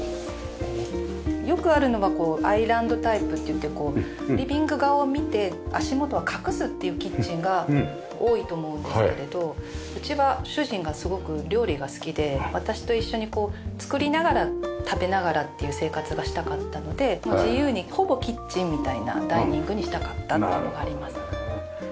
よくあるのがこうアイランドタイプっていってリビング側を見て足元は隠すっていうキッチンが多いと思うんですけれどうちは主人がすごく料理が好きで私と一緒にこう作りながら食べながらっていう生活がしたかったので自由にほぼキッチンみたいなダイニングにしたかったっていうのがあります。